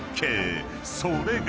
［それが］